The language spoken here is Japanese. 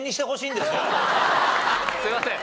すいません。